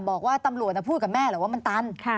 บอกว่าตำรวจพูดกับแม่เหรอว่ามันตัน